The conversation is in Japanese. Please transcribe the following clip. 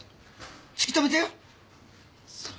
突き止めてよっ！